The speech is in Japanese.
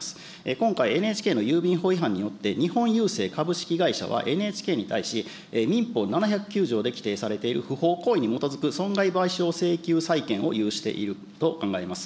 今回、ＮＨＫの郵便法違反によって、日本郵政株式会社はＮＨＫに対し、民法７０９条で規定されている不法行為に基づく損害賠償請求債権を有していると考えます。